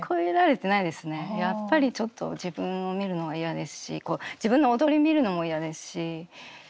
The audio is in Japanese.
やっぱりちょっと自分を見るのは嫌ですし自分の踊り見るのも嫌ですし。